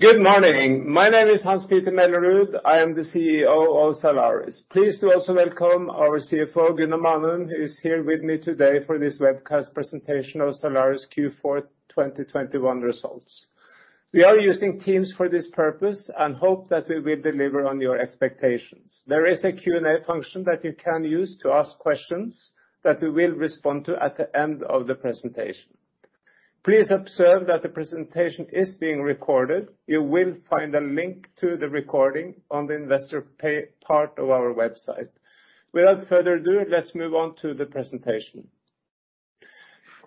Good morning. My name is Hans-Petter Mellerud. I am the CEO of Zalaris. Please do also welcome our CFO, Gunnar Manum, who is here with me today for this webcast presentation of Zalaris Q4 2021 results. We are using Teams for this purpose, and hope that we will deliver on your expectations. There is a Q&A function that you can use to ask questions that we will respond to at the end of the presentation. Please observe that the presentation is being recorded. You will find a link to the recording on the investor page part of our website. Without further ado, let's move on to the presentation.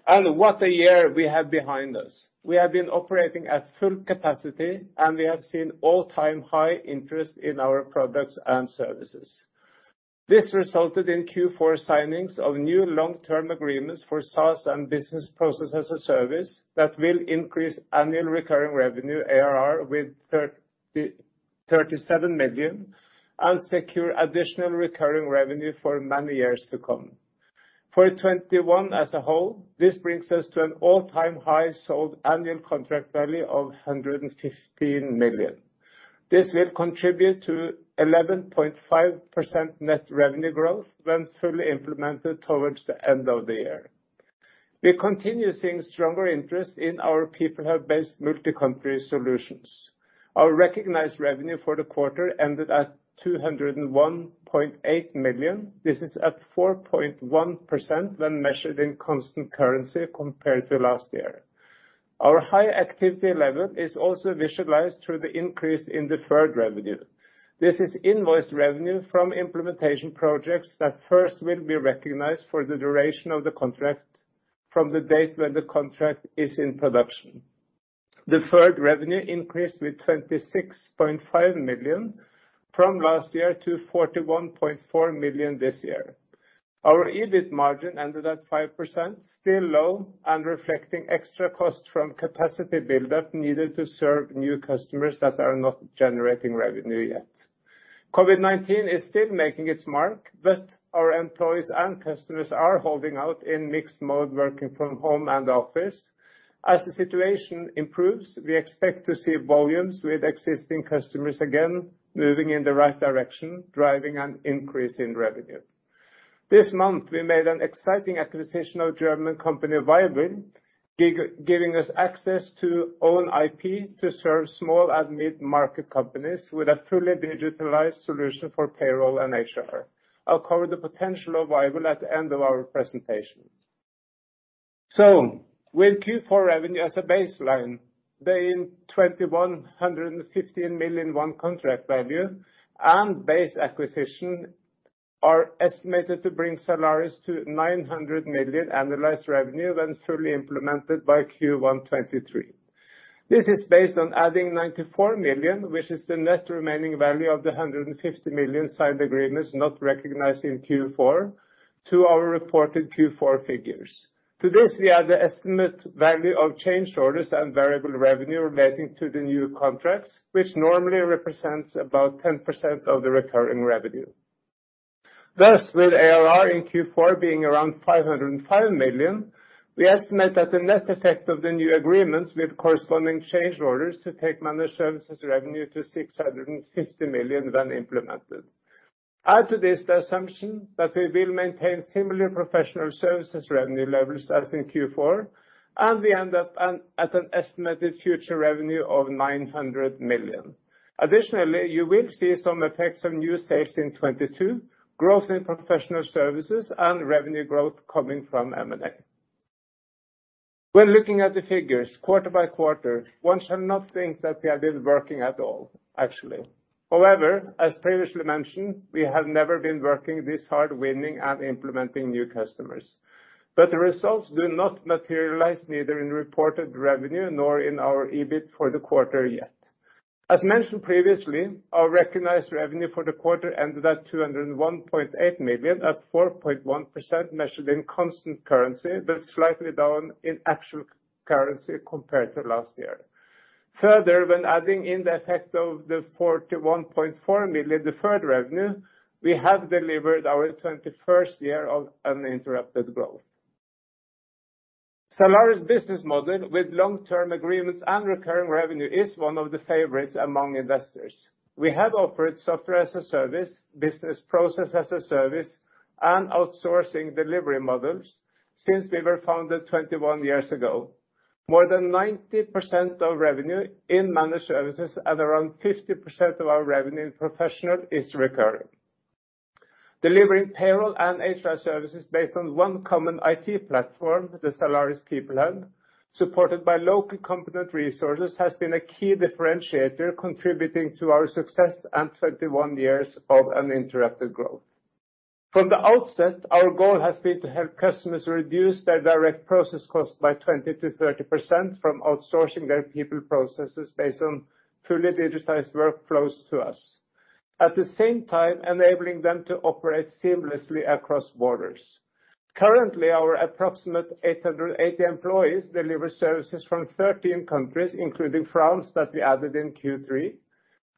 What a year we have behind us. We have been operating at full capacity, and we have seen all-time high interest in our products and services. This resulted in Q4 signings of new long-term agreements for SaaS and business process as a service that will increase annual recurring revenue, ARR, with 37 million, and secure additional recurring revenue for many years to come. For 2021 as a whole, this brings us to an all-time high sold annual contract value of 115 million. This will contribute to 11.5% net revenue growth when fully implemented towards the end of the year. We continue seeing stronger interest in our PeopleHub-based multi-country solutions. Our recognized revenue for the quarter ended at 201.8 million. This is up 4.1% when measured in constant currency compared to last year. Our high activity level is also visualized through the increase in deferred revenue. This is invoiced revenue from implementation projects that first will be recognized for the duration of the contract from the date when the contract is in production. Deferred revenue increased with 26.5 million from last year to 41.4 million this year. Our EBIT margin ended at 5%, still low and reflecting extra costs from capacity buildup needed to serve new customers that are not generating revenue yet. COVID-19 is still making its mark, but our employees and customers are holding out in mixed mode, working from home and office. As the situation improves, we expect to see volumes with existing customers again moving in the right direction, driving an increase in revenue. This month, we made an exciting acquisition of German company, vyble, giving us access to own IP to serve small and mid-market companies with a fully digitalized solution for payroll and HR. I'll cover the potential of vyble at the end of our presentation. With Q4 revenue as a baseline, the NOK 2,115 million contract value and ba.se acquisition are estimated to bring Zalaris to 900 million annualized revenue when fully implemented by Q1 2023. This is based on adding 94 million, which is the net remaining value of the 150 million signed agreements not recognized in Q4 to our reported Q4 figures. To this, we add the estimated value of change orders and variable revenue relating to the new contracts, which normally represents about 10% of the recurring revenue. Thus, with ARR in Q4 being around 505 million, we estimate that the net effect of the new agreements with corresponding change orders to take Managed Services revenue to 650 million when implemented. Add to this the assumption that we will maintain similar Professional Services revenue levels as in Q4, and we end up at an estimated future revenue of 900 million. Additionally, you will see some effects of new sales in 2022, growth in Professional Services, and revenue growth coming from M&A. When looking at the figures quarter by quarter, one shall not think that we have been working at all, actually. However, as previously mentioned, we have never been working this hard winning and implementing new customers. The results do not materialize neither in reported revenue nor in our EBIT for the quarter yet. As mentioned previously, our recognized revenue for the quarter ended at 201.8 million, at 4.1% measured in constant currency, but slightly down in actual currency compared to last year. Further, when adding in the effect of the 41.4 million deferred revenue, we have delivered our 21st year of uninterrupted growth. Zalaris' business model with long-term agreements and recurring revenue is one of the favorites among investors. We have offered software as a service, business process as a service, and outsourcing delivery models since we were founded 21 years ago. More than 90% of revenue in Managed Services and around 50% of our revenue in Professional Services is recurring. Delivering payroll and HR services based on one common IT platform, the Zalaris PeopleHub, supported by local competent resources, has been a key differentiator contributing to our success and 21 years of uninterrupted growth. From the outset, our goal has been to help customers reduce their direct process cost by 20%-30% from outsourcing their people processes based on fully digitalized workflows to us. At the same time, enabling them to operate seamlessly across borders. Currently, our approximately 880 employees deliver services from 13 countries, including France that we added in Q3.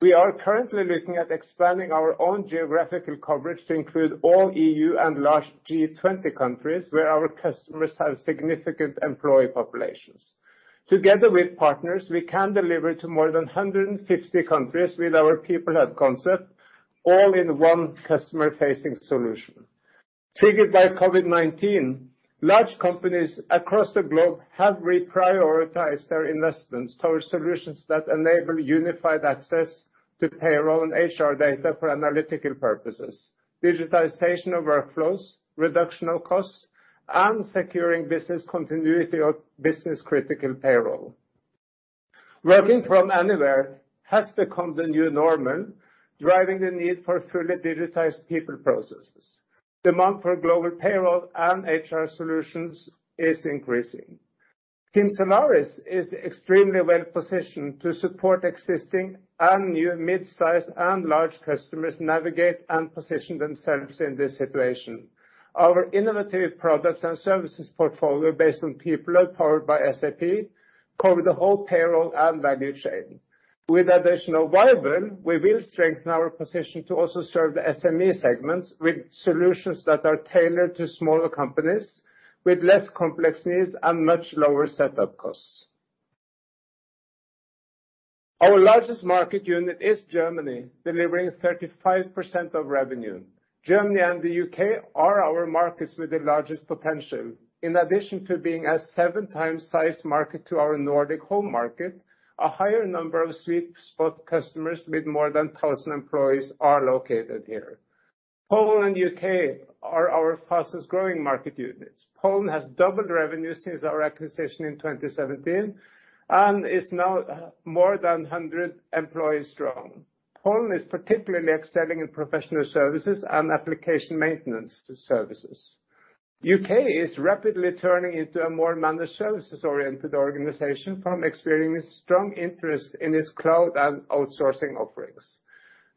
We are currently looking at expanding our own geographical coverage to include all EU and large G20 countries where our customers have significant employee populations. Together with partners, we can deliver to more than 150 countries with our PeopleHub concept, all in one customer-facing solution. Triggered by COVID-19, large companies across the globe have reprioritized their investments towards solutions that enable unified access to payroll and HR data for analytical purposes, digitalization of workflows, reduction of costs, and securing business continuity of business-critical payroll. Working from anywhere has become the new normal, driving the need for fully digitized people processes. Demand for global payroll and HR solutions is increasing. Zalaris is extremely well-positioned to support existing and new midsize and large customers navigate and position themselves in this situation. Our innovative products and services portfolio based on PeopleHub powered by SAP cover the whole payroll and value chain. With additional vyble, we will strengthen our position to also serve the SME segments with solutions that are tailored to smaller companies with less complexities and much lower setup costs. Our largest market unit is Germany, delivering 35% of revenue. Germany and the U.K. are our markets with the largest potential. In addition to being a seven times size market to our Nordic home market, a higher number of sweet spot customers with more than 1,000 employees are located here. Poland and U.K. are our fastest-growing market units. Poland has doubled revenue since our acquisition in 2017 and is now more than 100 employees strong. Poland is particularly excelling in Professional Services and application maintenance services. U.K. is rapidly turning into a more Managed Services-oriented organization due to experiencing strong interest in its cloud and outsourcing offerings.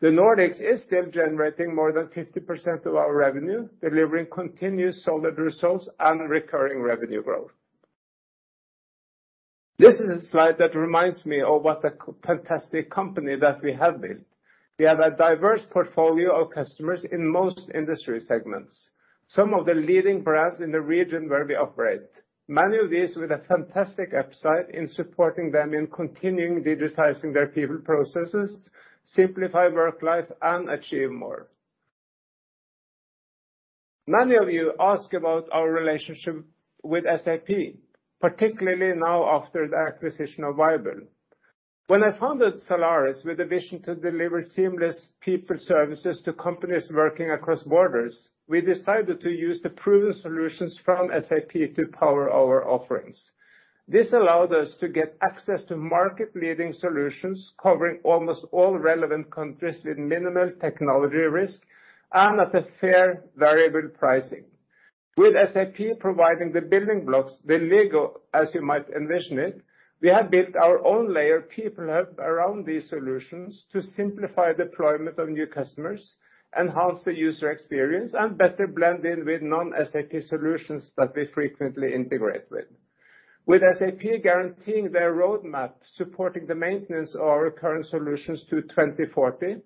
The Nordics is still generating more than 50% of our revenue, delivering continuous solid results and recurring revenue growth. This is a slide that reminds me of what a fantastic company that we have built. We have a diverse portfolio of customers in most industry segments, some of the leading brands in the region where we operate. Many of these with a fantastic upside in supporting them in continuing digitizing their people processes, simplify work life, and achieve more. Many of you ask about our relationship with SAP, particularly now after the acquisition of vyble. When I founded Zalaris with a vision to deliver seamless people services to companies working across borders, we decided to use the proven solutions from SAP to power our offerings. This allowed us to get access to market-leading solutions covering almost all relevant countries with minimal technology risk and at a fair variable pricing. With SAP providing the building blocks, the LEGO, as you might envision it, we have built our own layer PeopleHub around these solutions to simplify deployment of new customers, enhance the user experience, and better blend in with non-SAP solutions that we frequently integrate with. With SAP guaranteeing their roadmap, supporting the maintenance of our current solutions to 2040,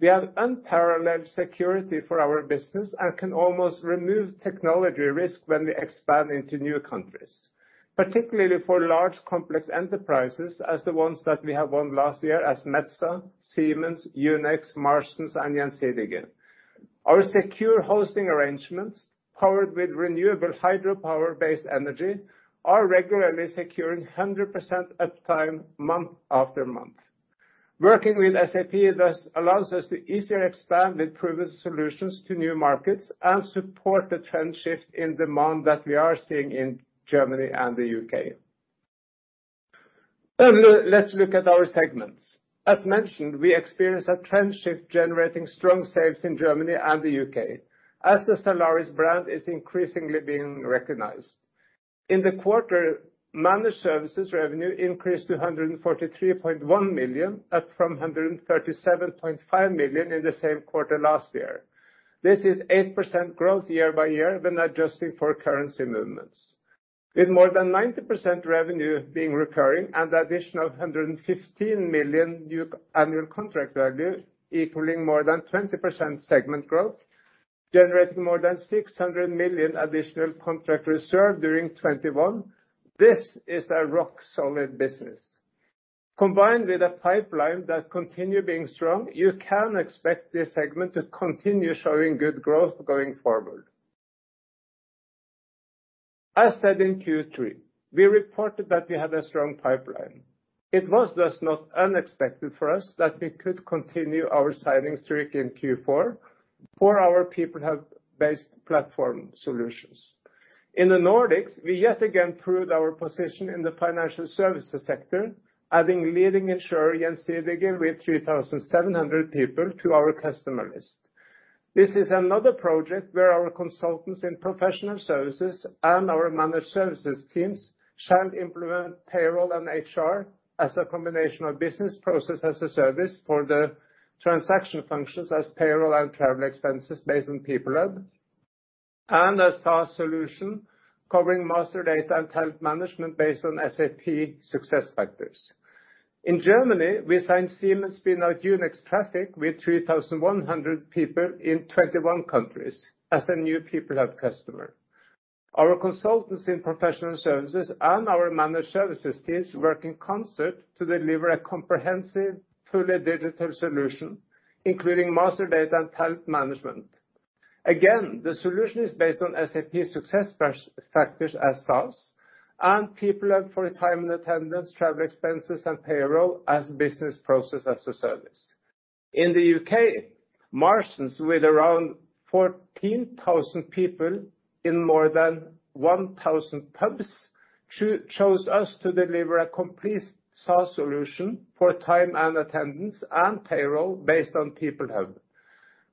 we have unparalleled security for our business and can almost remove technology risk when we expand into new countries, particularly for large complex enterprises as the ones that we have won last year as Metsä, Siemens, Yunex, Marston's, and Gjensidige. Our secure hosting arrangements, powered with renewable hydropower-based energy, are regularly securing 100% uptime month-after-month. Working with SAP thus allows us to easier expand with proven solutions to new markets and support the trend shift in demand that we are seeing in Germany and the U.K. Let's look at our segments. As mentioned, we experience a trend shift generating strong sales in Germany and the U.K. as the Zalaris brand is increasingly being recognized. In the quarter, Managed Services revenue increased to 143.1 million, up from 137.5 million in the same quarter last year. This is 8% growth year-over-year when adjusting for currency movements. With more than 90% revenue being recurring and additional 115 million new annual contract value equaling more than 20% segment growth, generating more than 600 million additional contract reserve during 2021, this is a rock-solid business. Combined with a pipeline that continue being strong, you can expect this segment to continue showing good growth going forward. As said in Q3, we reported that we had a strong pipeline. It was, thus, not unexpected for us that we could continue our signing streak in Q4 for our PeopleHub-based platform solutions. In the Nordics, we yet again proved our position in the financial services sector, adding leading insurer Gjensidige with 3,700 people to our customer list. This is another project where our consultants in Professional Services and our Managed Services teams shall implement payroll and HR as a combination of business process as a service for the transaction functions as payroll and travel expenses based on PeopleHub and a SaaS solution covering master data and talent management based on SAP SuccessFactors. In Germany, we signed Siemens spin-out Yunex Traffic with 3,100 people in 21 countries as a new PeopleHub customer. Our consultants in Professional Services and our Managed Services teams work in concert to deliver a comprehensive, fully digital solution, including master data and talent management. Again, the solution is based on SAP SuccessFactors as SaaS and PeopleHub for time and attendance, travel expenses and payroll as business process as a service. In the U.K., Marston's with around 14,000 people in more than 1,000 pubs chose us to deliver a complete SaaS solution for time and attendance and payroll based on PeopleHub.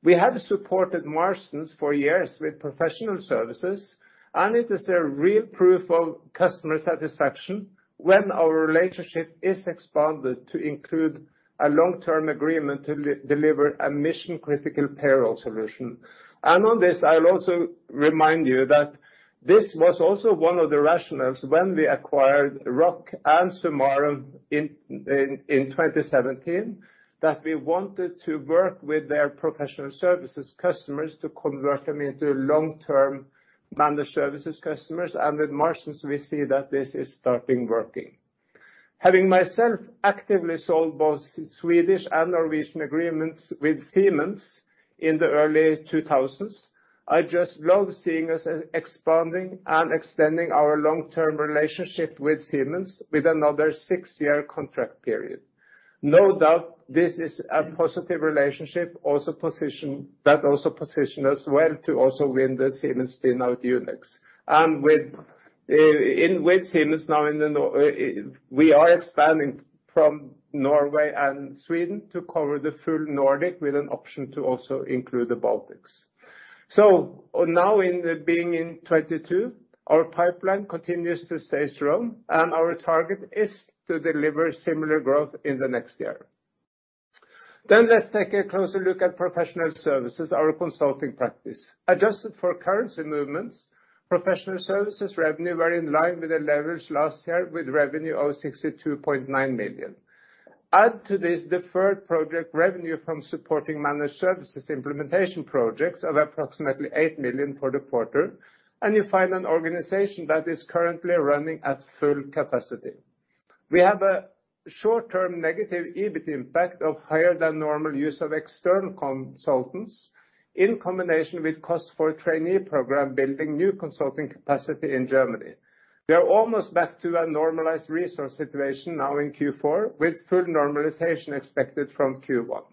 We have supported Marston's for years with Professional Services, and it is a real proof of customer satisfaction when our relationship is expanded to include a long-term agreement to deliver a mission-critical payroll solution. On this, I'll also remind you that this was also one of the rationales when we acquired ROC and sumarum in 2017 that we wanted to work with their Professional Services customers to convert them into long-term Managed Services customers. With Marston's, we see that this is starting working. Having myself actively sold both Swedish and Norwegian agreements with Siemens in the early 2000s, I just love seeing us expanding and extending our long-term relationship with Siemens with another six-year contract period. No doubt this is a positive relationship that also positions us well to also win the Siemens spin out Yunex. With Siemens now in the Nordic, we are expanding from Norway and Sweden to cover the full Nordic with an option to also include the Baltics. Now, in 2022, our pipeline continues to stay strong, and our target is to deliver similar growth in the next year. Let's take a closer look at Professional Services, our consulting practice. Adjusted for currency movements, Professional Services revenue were in line with the levels last year with revenue of 62.9 million. Add to this deferred project revenue from supporting Managed Services implementation projects of approximately 8 million for the quarter, and you find an organization that is currently running at full capacity. We have a short-term negative EBIT impact of higher than normal use of external consultants in combination with costs for a trainee program building new consulting capacity in Germany. We are almost back to a normalized resource situation now in Q4 with full normalization expected from Q1.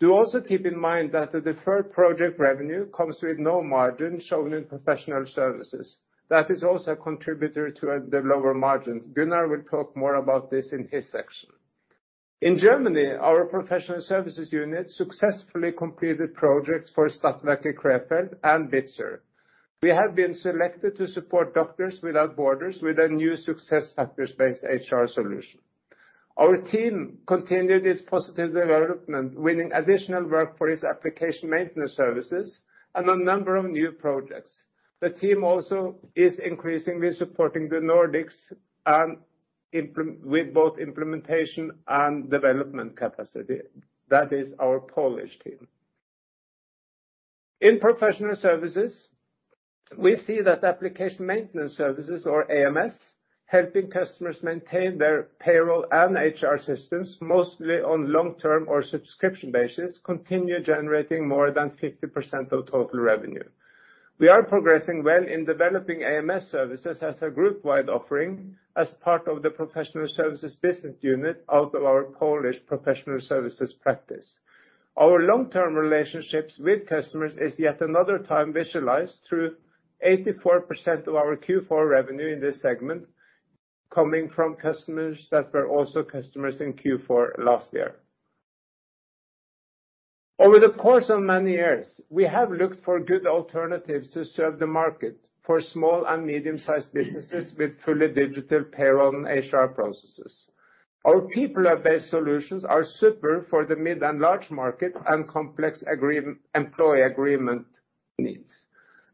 Do also keep in mind that the deferred project revenue comes with no margin shown in Professional Services. That is also a contributor to the lower margins. Gunnar will talk more about this in his section. In Germany, our Professional Services unit successfully completed projects for Stadtwerke Krefeld and Bitzer. We have been selected to support Doctors Without Borders with a new SuccessFactors-based HR solution. Our team continued its positive development, winning additional work for its application maintenance services and a number of new projects. The team also is increasingly supporting the Nordics with both implementation and development capacity. That is our Polish team. In Professional Services, we see that application maintenance services or AMS, helping customers maintain their payroll and HR systems, mostly on long-term or subscription basis, continue generating more than 50% of total revenue. We are progressing well in developing AMS services as a group-wide offering as part of the Professional Services business unit out of our Polish Professional Services practice. Our long-term relationships with customers is yet another time visualized through 84% of our Q4 revenue in this segment coming from customers that were also customers in Q4 last year. Over the course of many years, we have looked for good alternatives to serve the market for small and medium-sized businesses with fully digital payroll and HR processes. Our PeopleHub-based solutions are super for the mid and large market and complex employee agreement needs,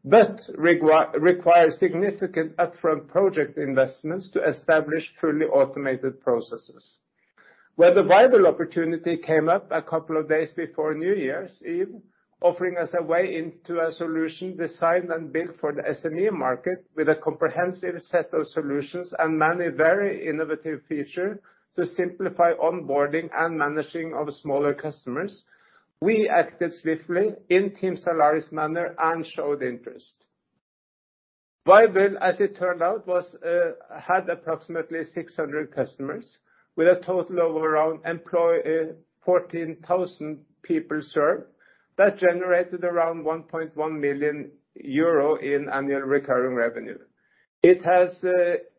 but require significant upfront project investments to establish fully automated processes. When the vyble opportunity came up a couple of days before New Year's Eve, offering us a way into a solution designed and built for the SME market with a comprehensive set of solutions and many very innovative features to simplify onboarding and managing of smaller customers, we acted swiftly in Team Zalaris manner and showed interest. vyble, as it turned out, had approximately 600 customers with a total of around 14,000 people served that generated around 1.1 million euro in annual recurring revenue. It has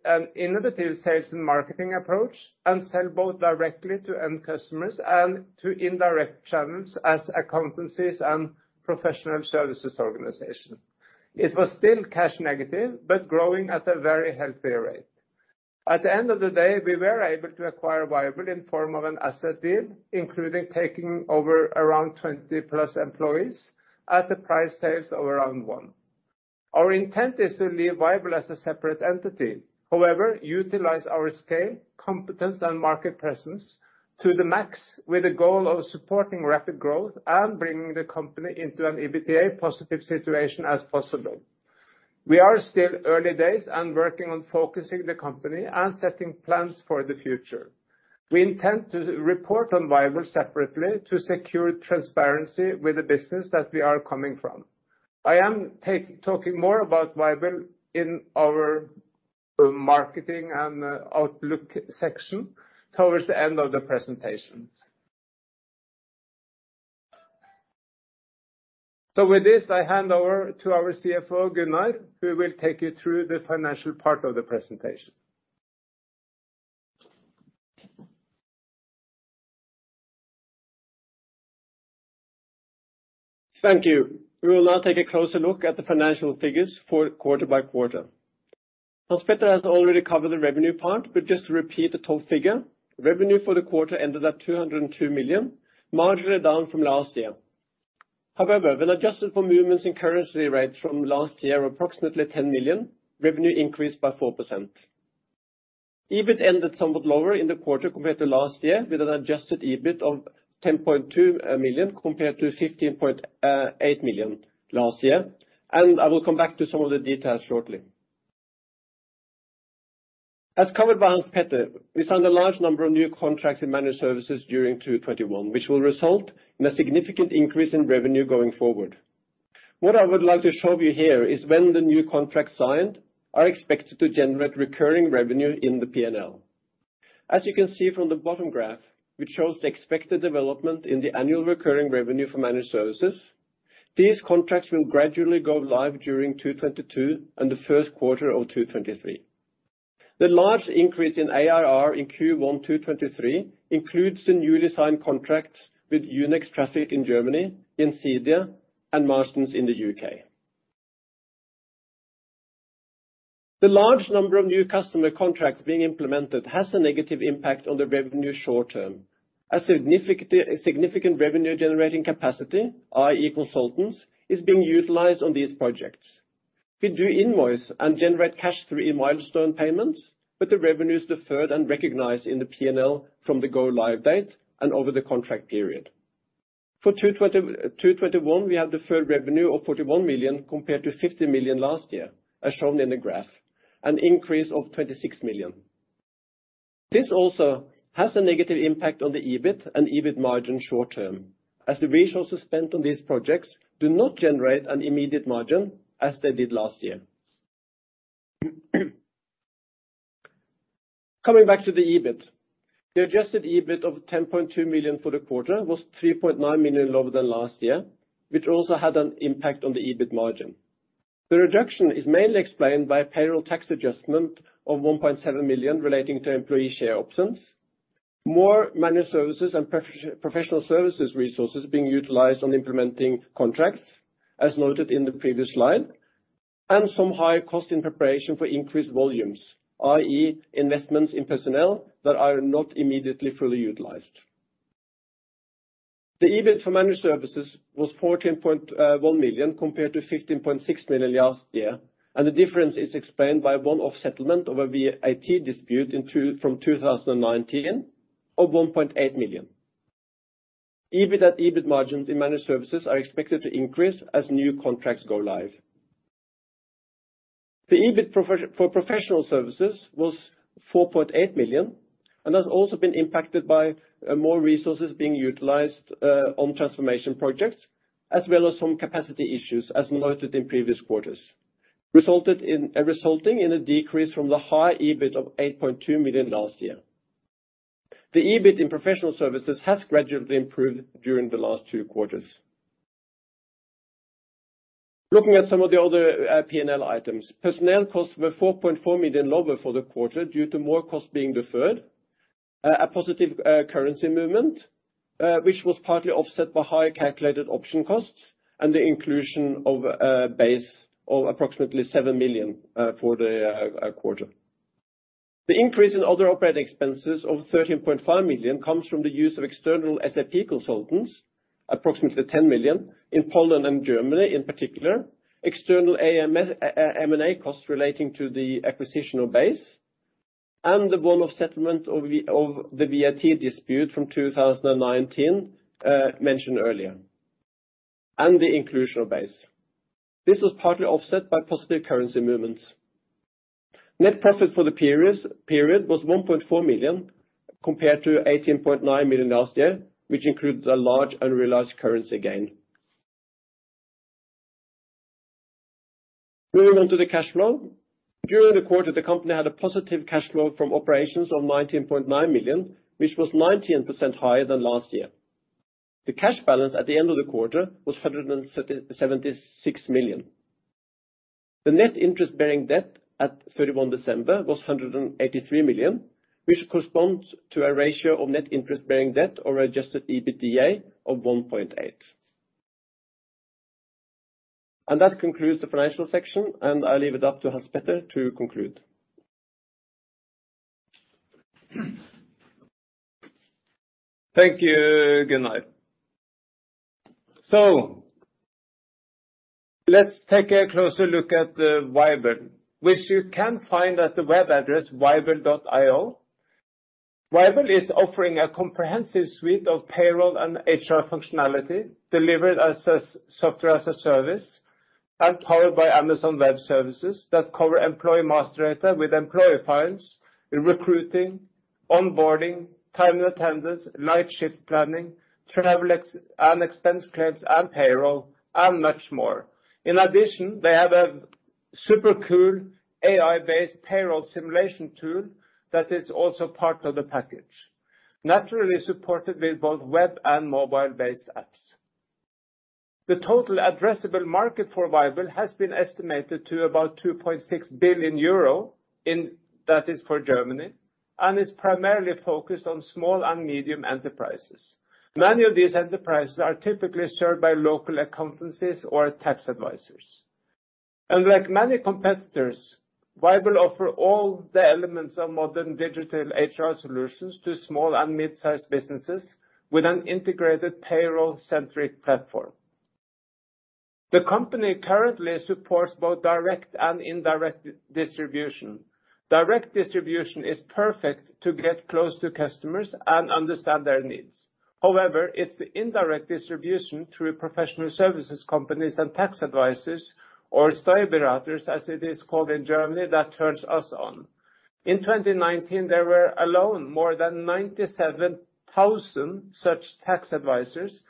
an innovative sales and marketing approach and sell both directly to end customers and to indirect channels as accountancies and professional services organization. It was still cash negative, but growing at a very healthy rate. At the end of the day, we were able to acquire vyble in form of an asset deal, including taking over around 20+ employees at the price sales of around one. Our intent is to leave vyble as a separate entity. However, utilize our scale, competence and market presence to the max, with the goal of supporting rapid growth and bringing the company into an EBITDA positive situation as possible. We are still in early days and working on focusing the company and setting plans for the future. We intend to report on vyble separately to secure transparency with the business that we are coming from. I am talking more about vyble in our marketing and outlook section towards the end of the presentation. With this, I hand over to our CFO, Gunnar, who will take you through the financial part of the presentation. Thank you. We will now take a closer look at the financial figures for quarter-by-quarter. Hans-Petter has already covered the revenue part, but just to repeat the top figure. Revenue for the quarter ended at 202 million, marginally down from last year. However, when adjusted for movements in currency rates from last year, approximately 10 million, revenue increased by 4%. EBIT ended somewhat lower in the quarter compared to last year, with an adjusted EBIT of 10.2 million compared to 15.8 million last year. I will come back to some of the details shortly. As covered by Hans-Petter, we signed a large number of new contracts in Managed Services during 2021, which will result in a significant increase in revenue going forward. What I would like to show you here is when the new contracts signed are expected to generate recurring revenue in the P&L. As you can see from the bottom graph, which shows the expected development in the annual recurring revenue for Managed Services, these contracts will gradually go live during 2022 and the first quarter of 2023. The large increase in ARR in Q1 2023 includes the newly signed contracts with Yunex Traffic in Germany, Insidia and Marston's in the U.K. The large number of new customer contracts being implemented has a negative impact on the revenue short term. A significant revenue generating capacity, i.e. consultants, is being utilized on these projects. We do invoice and generate cash through milestone payments, but the revenue is deferred and recognized in the P&L from the go live date and over the contract period. For 2020, 2021, we have deferred revenue of 41 million compared to 50 million last year, as shown in the graph, an increase of 26 million. This also has a negative impact on the EBIT and EBIT margin short term, as the resources spent on these projects do not generate an immediate margin as they did last year. Coming back to the EBIT. The adjusted EBIT of 10.2 million for the quarter was 3.9 million lower than last year, which also had an impact on the EBIT margin. The reduction is mainly explained by a payroll tax adjustment of 1.7 million relating to employee share options. More Managed Services and professional services resources being utilized on implementing contracts, as noted in the previous slide, and some higher costs in preparation for increased volumes, i.e. Investments in personnel that are not immediately fully utilized. The EBIT for Managed Services was 14.1 million compared to 15.6 million last year, and the difference is explained by one-off settlement of a VAT dispute from 2019 of 1.8 million. EBIT and EBIT margins in Managed Services are expected to increase as new contracts go live. The EBIT for Professional Services was 4.8 million and has also been impacted by more resources being utilized on transformation projects as well as some capacity issues as noted in previous quarters, resulting in a decrease from the high EBIT of 8.2 million last year. The EBIT in Professional Services has gradually improved during the last two quarters. Looking at some of the other P&L items. Personnel costs were 4.4 million lower for the quarter due to more costs being deferred. A positive currency movement, which was partly offset by higher calculated option costs and the inclusion of ba.se of approximately 7 million for the quarter. The increase in other operating expenses of 13.5 million comes from the use of external SAP consultants, approximately 10 million, in Poland and Germany in particular. External AMS M&A costs relating to the acquisition of ba.se and the one-off settlement of the VAT dispute from 2019, mentioned earlier, and the inclusion of ba.se. This was partly offset by positive currency movements. Net profit for the period was 1.4 million, compared to 18.9 million last year, which includes a large unrealized currency gain. Moving on to the cash flow. During the quarter, the company had a positive cash flow from operations of 19.9 million, which was 19% higher than last year. The cash balance at the end of the quarter was 176 million. The net interest-bearing debt at 31 December was 183 million, which corresponds to a ratio of net interest-bearing debt to adjusted EBITDA of 1.8. That concludes the financial section, and I leave it up to Hans-Petter to conclude. Thank you, Gunnar. Let's take a closer look at the vyble, which you can find at the web address vyble.io. Vyble is offering a comprehensive suite of payroll and HR functionality delivered as a software as a service, and powered by Amazon Web Services that cover employee master data with employee files, recruiting, onboarding, time and attendance, live shift planning, travel and expense claims and payroll, and much more. In addition, they have a super cool AI-based payroll simulation tool that is also part of the package. Naturally supported with both web and mobile-based apps. The total addressable market for vyble has been estimated to about 2.6 billion euro, that is for Germany, and it's primarily focused on small and medium enterprises. Many of these enterprises are typically served by local accountancies or tax advisors. Unlike many competitors, vyble offers all the elements of modern digital HR solutions to small and mid-sized businesses with an integrated payroll-centric platform. The company currently supports both direct and indirect distribution. Direct distribution is perfect to get close to customers and understand their needs. However, it's the indirect distribution through professional services companies and tax advisors or as it is called in Germany, that turns us on. In 2019, there were alone, more than 97,000 such tax advisors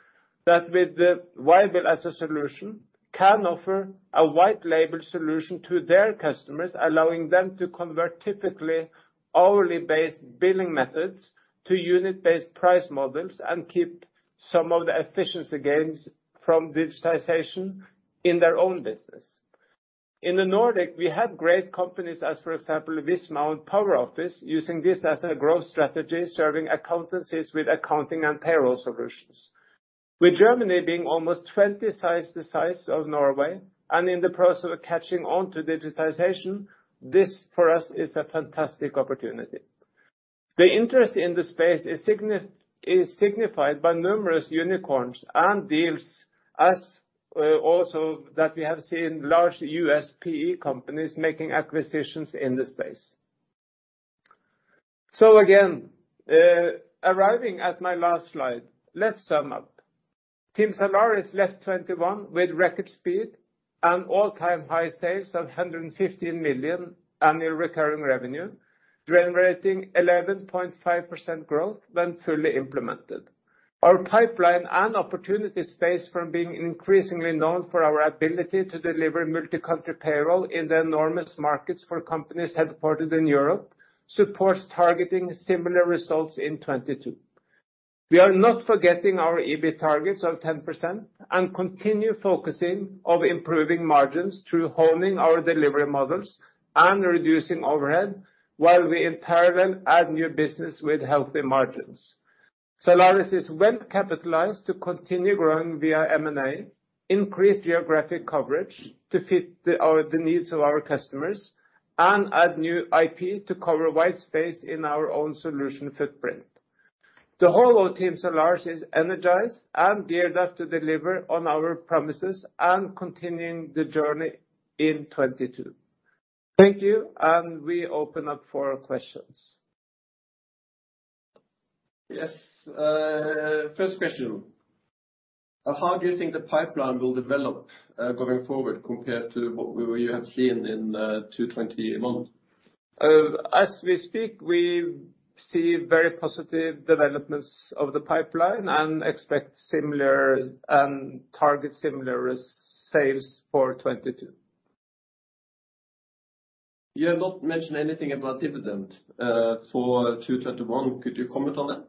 that with the vyble as a solution, can offer a white label solution to their customers, allowing them to convert typically hourly-based billing methods to unit-based price models and keep some of the efficiency gains from digitization in their own business. In the Nordic, we have great companies as, for example, Visma and PowerOffice, using this as a growth strategy, serving accountancies with accounting and payroll solutions. With Germany being almost 20x the size of Norway and in the process of catching on to digitization, this, for us, is a fantastic opportunity. The interest in this space is signified by numerous unicorns and deals, as also that we have seen large U.S. PE companies making acquisitions in this space. Arriving at my last slide, let's sum up. Team Zalaris left 2021 with record speed and all-time high sales of 115 million annual recurring revenue, generating 11.5% growth when fully implemented. Our pipeline and opportunity space, being increasingly known for our ability to deliver multi-country payroll in the enormous markets for companies headquartered in Europe, supports targeting similar results in 2022. We are not forgetting our EBIT targets of 10% and continue focusing on improving margins through honing our delivery models and reducing overhead, while we in parallel add new business with healthy margins. Zalaris is well-capitalized to continue growing via M&A, increase geographic coverage to fit our needs of our customers, and add new IP to cover white space in our own solution footprint. The whole team Zalaris is energized and geared up to deliver on our promises and continuing the journey in 2022. Thank you, and we open up for questions. Yes, first question. How do you think the pipeline will develop, going forward compared to what you have seen in 2021? As we speak, we see very positive developments of the pipeline and expect similar and target similar sales for 2022. You have not mentioned anything about dividend for 2021. Could you comment on that?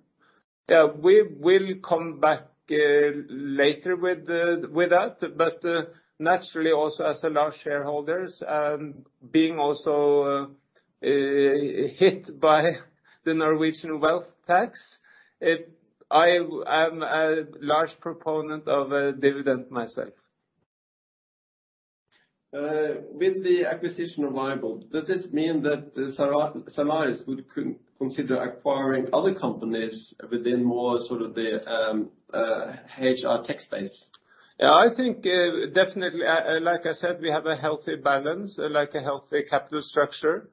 Yeah. We will come back later with that. Naturally also as Zalaris shareholders, being also hit by the Norwegian wealth tax, I am a large proponent of a dividend myself. With the acquisition of vyble, does this mean that Zalaris would consider acquiring other companies within more sort of the HR tech space? Yeah, I think, definitely, like I said, we have a healthy balance, like a healthy capital structure.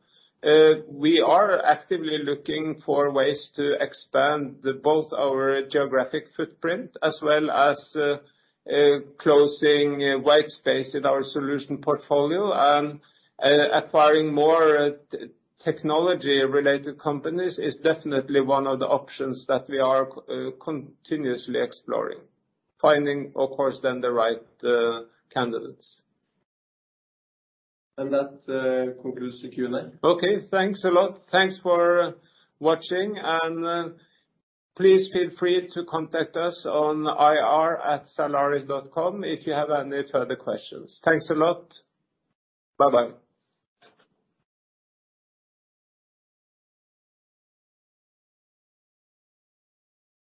We are actively looking for ways to expand both our geographic footprint as well as closing white space in our solution portfolio. Acquiring more technology-related companies is definitely one of the options that we are continuously exploring. Finding, of course then, the right candidates. That concludes the Q&A. Okay, thanks a lot. Thanks for watching, and please feel free to contact us on ir@zalaris.com if you have any further questions. Thanks a lot. Bye-bye.